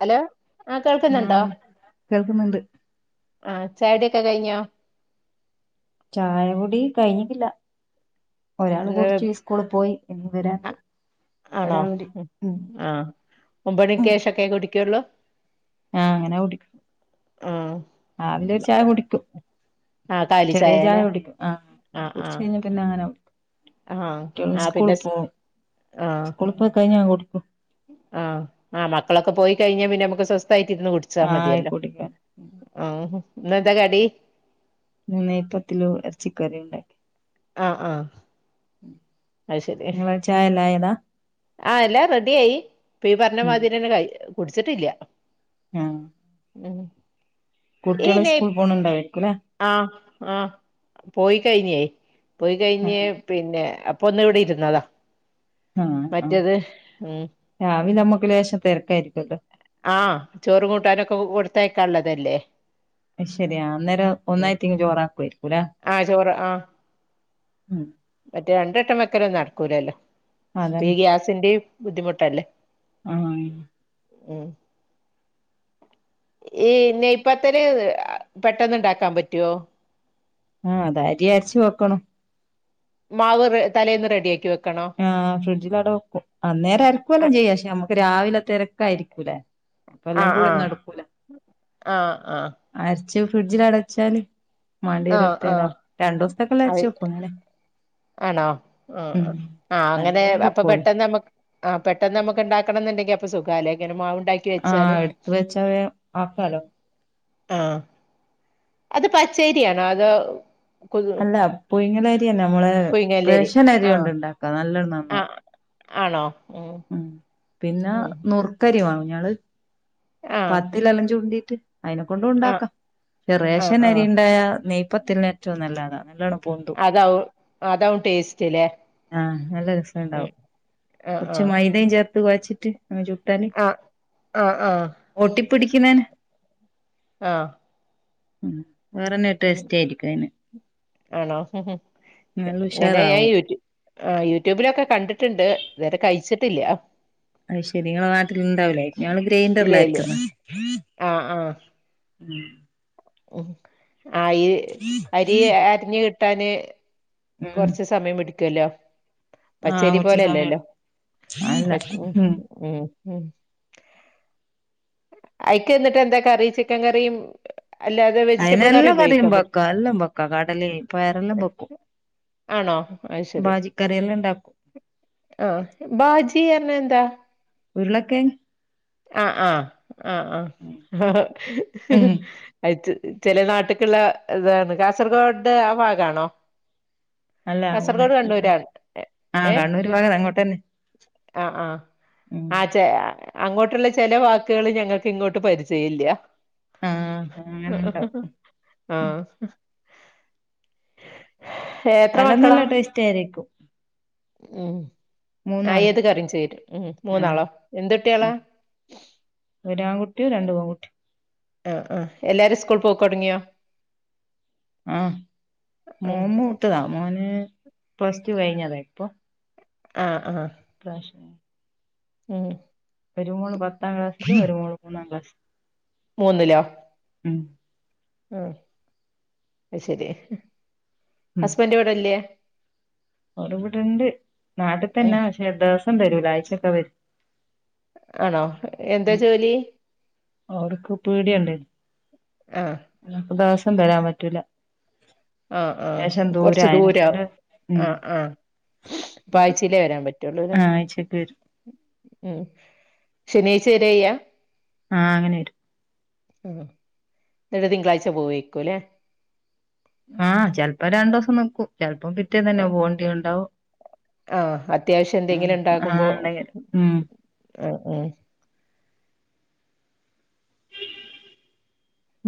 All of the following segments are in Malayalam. ഹലോ ആ കേൾക്ക്ന്നുണ്ടോ ഉം കേൾക്കുന്നുണ്ട് ആ ചായടിക്കെ കയ്ഞ്ഞോ? ചായകുടി കഴിഞ്ഞിട്ടില്ല. ഒരാള് കുടിച്ച് ഇസ്കൂള് പോയി ഇനി വരാണ്ട്. ആണോ ഒരാളൂടി ഉ ഉം ആ ഒമ്പണിക്കേഷൊക്കേ കുടിക്കുള്ളൂ. ആഹ് അങ്ങനെകുടിക്ക ആഹ് രാവിലെ ഒരു ചായ കുടിക്കും. ആ കാലി ചെറിയ ചായ ചായല്ലേ കുടിക്കും. ആ ആ ആ കുടിച്ചയ്ഞ്ഞ പിന്നെ അങ്ങനെ ആ കുട്ട്യള് ആ ഉസ്കൂളിൽ പിന്നെ സ് പോം ഉസ്കൂളിൽ പോയി കയ്ഞ്ഞാ ഞാൻ കുടിക്കും. ആഹ് ആഹ് മക്കളൊക്കെ പോയി കഴിഞ്ഞാ പിന്നെമ്മക്ക് സ്വസ്ഥായിട്ടിരുന്ന് കുടിച്ചാ ആഹ് മതിയല്ലോ. കുടിക്കും ആഹ് ഇന്നന്താ കടി. നെയ്പത്തിലു എറച്ചിക്കറിണ്ടാക്കി ആഹ് ആഹ് [inaudible] അയ് ശരി നിങ്ങളെ ചായ [unintelligible] ആ എല്ലാം റെഡ്യായി ഇപ്പ ഈ ഉം പറഞ്ഞമാതിരിന്നെ കയ് കുടിച്ചിട്ടില്ല. ആഹ് ഉം ഈ കുട്വൾ നെയ് സ്കൂൾ പോണ് ഉണ്ടായിരിക്കൂലേ. ആ ആ പോയി കഴിഞ്ഞ് പോയി കഴിഞ്ഞ് ആഹ് പിന്നെ അപ്പോ ഒന്ന് ഇവിടെ ഇരുന്നത. ആആ ഉം രവിലെ നമ്മൾക്ക് ലേശം തെരക്കായിരിക്കല്ലോ. ആ ചോറ് കൂട്ടാനൊക്കെ കൊടുത്തയക്കാനു ള്ളതല്ലേ? ശരിയ അന്നേരം ഒന്നായിത്തിങ് ചോറാക്കുയിരിക്കു ആ ചോറ് ആ ഉം മറ്റേ രണ്ട്ട്ടം വെക്കലൊന്നും നടക്കൂലല്ലോ ഇപ്പയി അതന്നെ ഈ ഗ്യാസിന്റെ ബുദ്ധിമുട്ടല്ലേ? ആഹ് ഉം ഈ നെയ്പ്പത്തല് പെട്ടെന്ന്ണ്ടാക്കാൻ പറ്റൊ ആ അത് അരിയ അരച്ച് വെക്കണം മാവ് തലേന്ന് റെഡിയാക്കി വെക്കണോ? ആ ഫ്രിഡ്ജില്അവിടെ വെക്കും അന്നേരം അരക്കുവല്ലാം ചെയ്യാം പക്ഷെ നമുക്ക് രാവിലെ തിരക്കായിയിരിക്കുലെ? ആഹ് വല്ലപൊയും ഒന്നും ആഹ് നടക്കൂല ആഹ് ആഹ് അരച്ച് ഫ്രിഡ്ജിൽ അടച്ചാല് മണ്ടിയിരി ആഹ് അടുത്തലാ ആഹ് രണ്ടു ദിവസത്തൊക്കെള്ള അരിച്ചു വോക്കും ങ്ങനെ ണോ ആ ആ് അങ്ങനെ അപ്പൊ വെക്കൂല പെട്ടെന്ന് നമ്മക്ക് ആ പെട്ടെന്ന് നമുക്ക്ണ്ടാക്കണം ന്ന്ണ്ടങ്കിൽ അപ്പൊ സുഖാലേ ഇങ്ങനെ മവ് ഉണ്ടാ ആ അടുത്ത് വച്ച വേം ആക്കാലോ ആഹ് അത് പച്ചേരിയാണോ അതോ അല്ല പുയുങ്ങലരിയന്നെ നമ്മളെ പുയിങ്ങല്ലേരി റേഷൻ അരി ആഹ് കൊണ്ട് ഉണ്ടാക്കാ നല്ലം നന്നാവും. ആഹ് ആണോ ഉ പിന്നെ ഉം നുറക്കരി വാങ്ങു ഞങ്ങൾ ആഹ് പത്തിൽ അലഞ് ചൂണ്ടീട്ട് അതിനെ കൊണ്ടും ആഹ് ഉണ്ടാക്കാം ആഹ് റേഷൻ അരി ആഹ് ഉണ്ടായ നെയ്പത്തിൽന് ഏറ്റോം നല്ലാണ് നല്ലോണം, പൊന്തും അതാവും അതാവും ടേസ്റ്റ്ല്ലേ ആ നല്ല ഉം രസണ്ടാവും. ആഹ് കുറച്ച് ആഹ് മൈദ ചേർത്ത് കൊഴച്ചിട്ട് ആങ്ങ് ചുട്ടാല് ആ ആ ആഹ് ഒട്ടിപ്പിടിക്ക്ണ ആഹ് ഉം വേറെന്നെ ഉ ടേസ്റ്റ് ആയിരിക്കും അയിന് ആണോ ഹ് ഹ് നല്ല ഇങ്ങനെ യേ ഉഷാറാവും യൂറ്റു ആ യൂട്യൂബിലൊക്കെ കണ്ടിട്ട്ണ്ട്, ഇത് വരെ കഴിച്ചിട്ടില്ല്യ. അയ് ശെരി, ഇങ്ങളെ നാട്ടില് ണ്ടാവൂലേ? ഞങ്ങള് ഇല്ല ഗ്രൈൻഡർലാ ഇല്ല അരക്ക്ന്ന് ആഹ് ആഹ് ഉം. ഉം. ആയ് അരി അരഞ്ഞ് കിട്ടാന്, ഉം കൊറച്ച് സമയം പിടിക്കല്ലോ. ആഹ് പച്ചരി കുറച്ച് സമയം പോലല്ലല്ലോ. എടുക്കും പ ഉം ഉം. ഉം അയ്ക്ക് ന്ന്ട്ട് എന്താ കറി? ചിക്കൻ കറിം, അയിനെല്ല കറിയും വെക്ക. എല്ലം വെക്കാ. കടലേം പയറെല്ലം വെക്കും. ആണോ ഭാജി കറിയെല്ലം ണ്ടാക്കു ആഹ് ബാജി എന്നർഞ്ഞാ എന്താ ഉരുളക്കെഴങ്ങ് ആഹ് ആഹ് ആഹ് ആഹ് ആ ഹ് ഹ് ഹ ഉം അയ്ച്ച് ചെലേ നാട്ട്ക്ക്ള്ള ഇതാണ് കാസർഗോഡ് ആ ഭാഗാണോ അല്ല ഓണ് കാസർഗോഡ് ഉം കണ്ണൂരാണ് എ- ആ കണ്ണൂര് ഭാഗാതങ്ങോട്ടെന്നെ ആഹ ആഹ മ്മ് [unintelligible] അങ്ങോട്ടുള്ള ചെല വാക്കുകള് ഞങ്ങൾക്ക് ഇങ്ങോട്ട് പരിചയില്ല്യ ആഹ് അങ്ങനെണ്ടാവും ആഹ ഏഹ് എത്രെ അല്ല മക്കളാ? നല്ല ടേസ്റ്റ് ആയിരിക്കും ഉം ആഹാ മൂന്നാളും ഏത് കറിം ചേരും ഉം ആഹ് മൂന്നാളോ? എന്തുട്ട്യാളാ? ഒരാൺകുട്ടിം രണ്ട് പെങ്കുട്ടിം ആഹ് ആഹാ എല്ലാരും സ്കൂൾ പോക്കൊട്ങ്ങിയൊ? ആ ഉം മോൻ മൂത്തതാ മോന് പ്ലസ് ടു കഴിഞ്ഞതാ ഇപ്പൊ ആഹ് ആഹാ ഇപ്രാശ്യ ഉം ഒര് മോള് പത്താം ക്ലാസിലും ഒരു മോള് മൂന്നാം ക്ലാസ് മൂന്നിലൊ? ഉം ആഹ് അയ്ശെരി ഹസ്ബൻഡ് ഇവടെല്ല്യേ? ഓരിവിടണ്ട് ഉം നാട്ട്ത്തന്നാ പക്ഷേ ദിവസം തരൂല ആഴ്ച്ചക്കാ വര ആണോ എന്താ ജോലി ഓര്ക്ക് പീടിയണ്ട് ആഹ ദിവസം തരാൻ പറ്റൂല ആഹ ലേശം ആഹ കൊർച്ച് ദൂരാ അയിനെക്കൊണ്ട് ആഹ ഉം ആഹ അപ്പ ആഴ്ച്ചീലേ വരാൻ പറ്റുള്ളൂലേ ആഹ് ആഴ്ചക്ക് വരും ഉം ശനിയാഴ്ച്ചരെയ്യാ ആഹ് അങ്ങനെ വരും ഉം ന്നിട്ട് തിങ്കളാഴ്ച്ച പോവേക്കു ല്ലേ ആഹ് ചെൽപ്പം രണ്ടൂസം നിക്കും ചെൽപ്പം പിറ്റേന്നന്നെ പോവണ്ടി ഉണ്ടാവും ആ അത്യാവശ്യം ആഹ് എന്തെങ്കിലുംണ്ടകുമ്പോ ഉണ്ടെങ്കിൽ ഉം ആ ഉം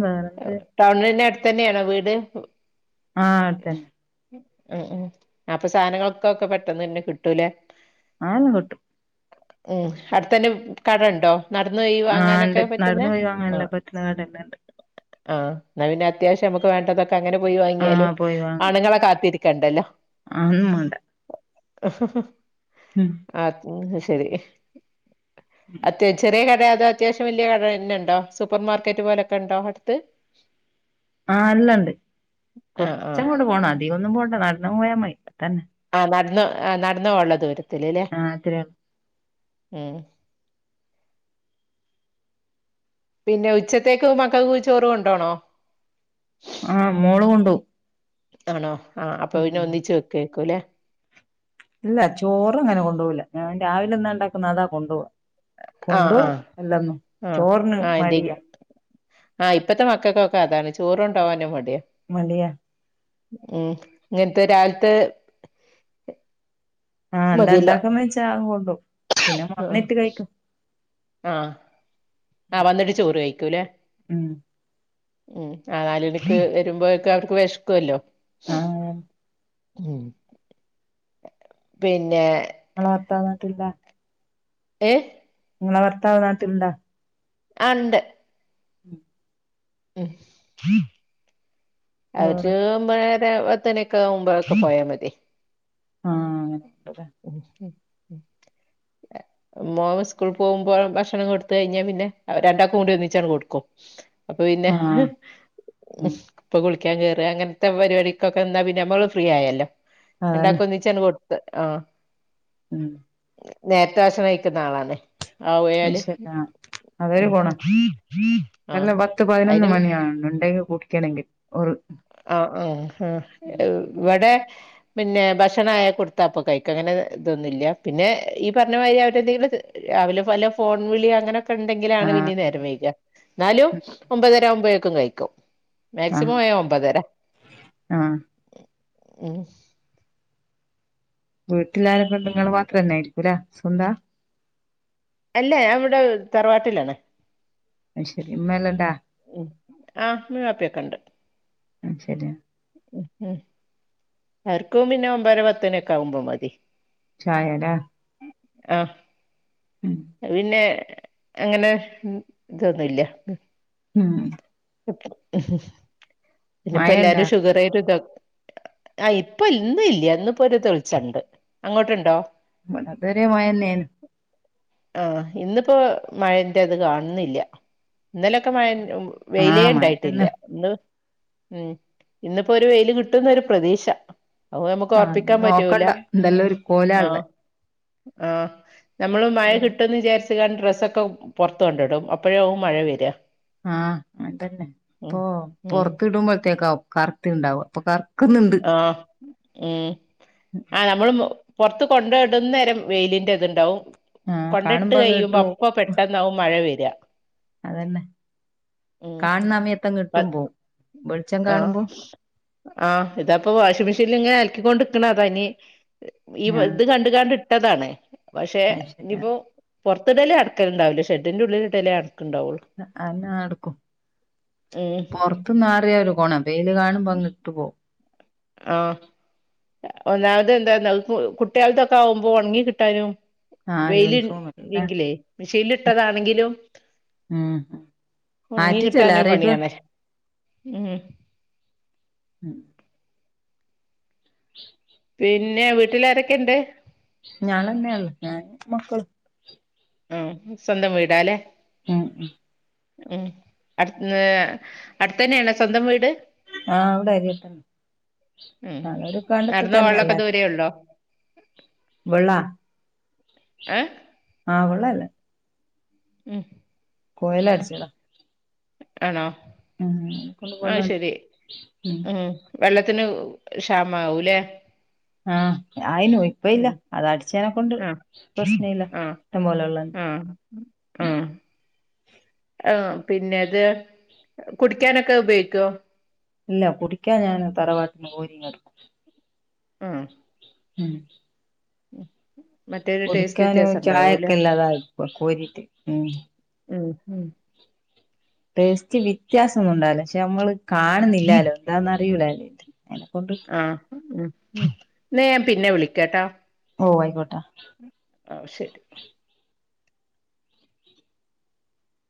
വേറെത്. ടൗണിന്റെ അട്ത്തന്നേണോ വീട് ആഹ അട്ത്തന്നെ ഉം ഉം അപ്പ സാനങ്ങളൊക്ക ഒക്കെ പെട്ടന്നന്നെ കിട്ടൂലെ [unintelligible] കെട്ടും ഉം അട്ത്തന്നെ കടണ്ടോ നടന്നോയി വാങ്ങാനൊക്കെ പറ്റുന്ന ആഹ് നാടന്നണ്ട് ആഹ് ന്നാപ്പിന്നെ അത്യാവശ്യം നമ്മക്ക് വേണ്ടതൊക്കെ അങ്ങനെ പോയി വാങ്ങിയാലും ആഹ് ആണുങ്ങളെ കാത്തിരിക്കണ്ടല്ലോ ആഹൊന്ന് മാണ്ട ഉം ആത് ന്നാശരി ഉം അതേ ചെറിയ കട അത്യാവശ്യം വെല്ല്യകട തന്ന ഉണ്ടോ സൂപ്പർ മാർക്കറ്റ് പോലൊക്കെ കണ്ടോ അടുത്ത്? ആ അല്ലാണ്ട് ആ ആ കുറച്ചങ്ങോട്ട് പോണ അധിക ഒന്നും പോണ്ട നട്ന്നങ്ങ് പോയാ മയി അതന്നെ. ആ നടന്ന് ആ നടന്നോവാള്ള ദൂരത്തിൽല്ലേ ആഹ് അത്രേ ഒള്ളൂ. ഉം പിന്നെ ഉച്ചത്തേക്ക് മക്കൾക്ക് ചോറ് കൊണ്ടോണോ? ആഹ് മോള് കൊണ്ടൊവും ആണോ ആ അപ്പോപിന്നേ ഒന്നിച്ച് വെക്കേക്കുല്ലേ? ഇല്ല ചോറങ്ങനെ കൊണ്ടോവൂല്ല ഞാൻ രാവിലെ എന്നാണ്ടാക്കുന്നേ അതാ കൊണ്ടോവാ ആ ആ കൊണ്ടോവൂ അല്ലന്നു ആ ചോറിന് മടിയാ ആഹ് ഇപ്പത്തെ മക്കക്കൊക്കെ അതാണ് ചോറോണ്ടോവാനും മടിയാ. മടിയ ഉം ഇങ്ങൻത്തെ രാവിലത്തെ ആഹ് എന്താ മതിയല്ലോ ഉണ്ടാക്ക്ന്നേച്ചാ അങ്ങ്കൊണ്ടോവും പിന്നെ വന്നിട്ട് കഴിക്കും ആഹ് ആഹ് വന്നിട്ട് ചോറ് കഴിക്കൂല്ലേ? ഉം ഉം ആഹ് നാലണിക്ക് വരുമ്പോഴക്ക് അവര്ക്ക് വെശക്കുല്ലോ? ആഹ് ഉം പിന്നെ ങ്ങളെ വർത്തനത്തുല്ല ഏ നിങ്ങളെ ഭർത്താവ് നാട്ടിൽണ്ടാ? ആഹ് ണ്ട്. ഉം എ വേറെ ഒരൂബേര പത്തണിക്കെ ആവുമ്പൊക്കെ പോയാ മതി. ആഹ് അങ്ങന ണ്ട്ല്ലെ ഉം ഉം മോ സ്കൂൾ പോവുമ്പോ ഭക്ഷണം കൊടുത്ത് കഴിഞ്ഞാ പിന്നെ രണ്ടാക്കുംകൂടി ഒന്നിച്ചാണ്ട് കൊടുക്കും. അപ്പൊ പിന്നെ ആഹ് ഉം പ്പൊ കുളിക്കാൻ കേറ അങ്ങൻത്തെ പരിപാടിക്കൊക്കൊ ന്നാ പിന്നെ അമ്മള് ഫ്രീ ആയല്ലോ അതന്നെ രണ്ടാക്ക് ഒന്നി ച്ചണ്ട് കൊട്ത്ത് ആഹ്. ഉം നേരത്തെ ആശ്രയിക്ക്ന്ന ആളാണ്. ആവയാല് അശല്ല അവര് പോണ ആഹ് നല്ല പത്ത് പതിനൊന്ന് അയിന് മണിയാണ ഉണ്ടെങ്കിൽ കുടിക്കണെങ്കിൽ ഒര് ആ ആഹ് ആഹ് ഇവിടെ പിന്നെ ഭക്ഷണായ കുടുത്തപ്പൊ കൈക്ക അങ്ങനെ ഇതൊന്നുല്ല പിന്നെ ഈ പറഞ്ഞവതിരി അവരെദെയി രാവിലെ പല ഫോൺ വിളി അങ്ങനെ ക്കെണ്ടെങ്കിലാണ് ആഹ് പിന്നിം നേരം വൈക ന്നാലും ഒമ്പതരവുബോയേക്കും കഴിക്കും. ആഹ് മാക്സിമം ആയ ഒമ്പതര ആഹ് ഉം ഉം വീട്ടിലാരെക്കെണ്ട് ങ്ങൾ മാത്രന്നെരിക്കൂലേ സ്വന്താ? അല്ല ഞവ്ടെ തറവാട്ടിലാണ്. ആഹ് ശെരിയ മേല്ലട്ട ഉം ആഹ് മീം വാപ്പിയൊക്കെണ്ട്. ഉം ശരിയ. ഉ ഉം അവര്ക്കു പിന്നെ ഒമ്പര പത്തണിഒക്കെ ആകുമ്പോ മതി ചായടാ ആഹ് അ പിന്നെ അങ്ങനെ മ് ഇതൊന്നുല്ല്യ മ് മ് [unintelligible] ഹ് ഹ് മഴ ഇണ്ടാ പിന്നപ്പോല്ലാരും ഷുഗറേര് ത ആഹ് ഇപ്പൊ ഇന്ന് ഇല്ല്യ ഇന്ന്പ്പൊരു തെൾച്ചണ്ട് അങ്ങോട്ടുണ്ടോ ഇവടെ ഇതുവരെ മഴന്നേന്ന് ആഹ് ഇന്ന്പ്പോ മഴന്റെത് കാണുന്നില്ല ഇന്നലൊക്കെ മഴൻ ഉം വെയിലേ ആഹ് മഴ തന്നെ ഇണ്ടായിട്ടില്ല്യ ഇന്ന് ഉം ഇന്ന്പ്പൊരു വെയില് കിട്ടുന്നൊരു പ്രതീക്ഷ അവ് നമ്മക്ക് ആഹ് ഓറപ്പിക്കാൻ പറ്റൂല നോക്കണ്ട എന്തെല്ലാം ഒരു ആ കോലാള്ളെ ആ നമ്മള് മഴ കിട്ടുന്ന് വിചാരിച ത്ത് കാണ്ട് ഡ്രസ്സൊക്കെ പൊറത്ത് കൊണ്ടടും അപ്പഴാവും മഴ വര ആ അൻതന്നെ ഇപ്പോ ഉം പൊറത്ത് ഇടുമ്പോക്കേക്കാവും കറത്ത്ണ്ടാവ ഇപ്പൊ കറക്ക്ന്ന്ണ്ട് ആ ഉം ആ നമ്മള് മു പൊറത്ത് കൊണ്ടോയിടുന്നെരെ വെയിലിന്റെ ഇത്ണ്ടാവും ആഹ് കൊണ്ടെയിട്ട് കാണുമ്പോ അങ്ങ് ഇട്ട് കെയ്യ്മ്പോ പോവും അപ്പൊ പെട്ടെന്നാവും മഴ വര്അ അതന്നെ കാണുന്നഅമയത്തങ്ങ് ഇട്ടുമ്പോവും വെളിച്ചം കാണുമ്പോ ആ ഇതാപ്പോ വാഷിംമെഷീനിലിങ്ങനെ അലക്കിക്കൊണ്ട് ഇക്ക്ണതാ ഇനി ഈ ആഹ് ഇത് കണ്ട്കാണ്ട് ട്ടതാണ് പക്ഷേ അത് ശരിയാ ഇനിയിപ്പോ പൊർത്ത്ടല് അടക്കൽണ്ടാവൂല ഷെഡ്ന്റുള്ളില്ടലേ അട്ക്ക്ണ്ടാവൊള്ളൂ. [unintelligible] ടുക്കും ഉം പൊർത്ത് ന്നാറിയാലും കോണം വെയില് കാണുമ്പോ ങ്ങ് ഇട്ട് പോവും ആഹ് ഒന്നാമത് എന്താന്ന അഹ് പോ കുട്ട്യോൾതൊക്കെ ആവുമ്പോ ഒണങ്ങി കിട്ടാനും ആഹ് വെയില് യൂണിഫോം അല്ലേ ഇയ്ല്ങ്കിലേ മിഷീനിൽ ഇട്ടതാണെങ്കിലും ഉം ഒണങ്ങി ആറ്റിറ്റല്ല കിട്ടാന് ആരാ ഇടുക പണിയാണ് ഉം ഉം ഉ [inaudible] പിന്നെ വീട്ടില് ആരൊക്കെണ്ട് ഞാളെന്നൊള്ളു ഞാനും മക്കളും ആ സ്വന്തം വീടാല്ലേ ഉം ഉം ഉം അട്ത്ന് അട്ത്തന്നേണോ സ്വന്തം വീട്. ആഹ് ഇവിടെ അരിയത്തന്നെ ഉം അതൊരു കണ്ടത്തി നടന്നോവാള്ളൊക്കെ തന്നെയല്ലേ ദൂരേ ഉള്ളോ വെള്ളാ ഏ ആഹ് വെള്ളല്ലേ ഉം കൊയലടിച്ചതാ ആണോ ഉം അത് ശരി [unintelligible] ഉം വെള്ളത്തിന് ക്ഷാമാകൂല്ലെ ആഹ് ആയിന് ഇപ്പ ഇല്ല ഉം അത അടിച്ചേനെ കൊണ്ട് ആഹ് പ്രശ്നല്ല ആഹ് ഇഷ്ടം പോലെ. ആഹ് ആ പിന്നെത് കുടിക്കാനൊക്കെ ഉപയോഗിക്കോ ഇല്ല കുടിക്കാൻ ഞാന് തറവാട്ടിന്ന് കോരിങ്ങെടുക്കും ആഹ് ഉം മറ്റേരു ടേസ്റ്റ് കുടിക്കാനും വ്യത്യാസം ഉണ്ടാവൂല്ലേ ചായക്കെല്ലാതായിപ്പോ കോരിട്ട് ഉം ഉം ഉം ടേസ്റ്റ് വ്യത്യാസം ഒന്നും ഉണ്ടാവുല്ല പക്ഷെ നമ്മള് കാണുന്നില്ലാലോ എന്താന്നറിയൂല അയ്നെക്കൊണ്ട് ആഹ് ഉം ന്ന ഞാൻ പിന്നെ വിളിക്കട്ടാ ഓഹ് ആയിക്കോട്ടെ ആശരി